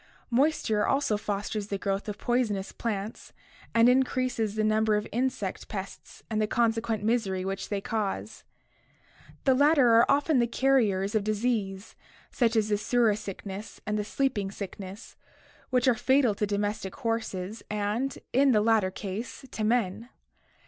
Moisture also fosters the growth of poisonous plants and increases the numbers of insect pests and the consequent misery which they cause. The latter are often the carriers of disease such as the surra sickness and the sleeping sickness, which are fatal to domestic horses and, in the latter case, to men.